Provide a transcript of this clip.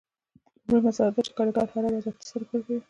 لومړۍ مسئله دا ده چې کارګر هره ورځ اته ساعته کار کوي